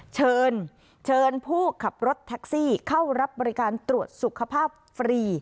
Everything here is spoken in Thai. เชิญเชิญผู้ขับรถแท็กซี่เข้ารับบริการตรวจสุขภาพฟรี